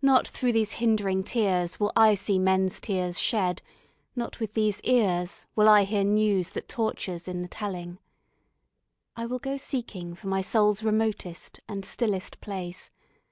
Not through these hind'ring tears Will I see men's tears shed. Not with these ears Will I hear news that tortures in the telling. I will go seeking for my soul's remotest And stillest place.